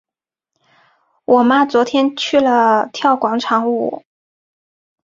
我妈昨天去了跳广场舞。